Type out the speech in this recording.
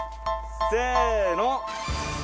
せの！